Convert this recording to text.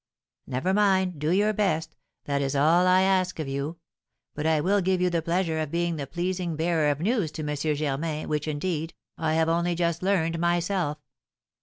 'Never mind! Do your best; that is all I ask of you. But I will give you the pleasure of being the pleasing bearer of news to M. Germain, which, indeed, I have only just learned myself.'"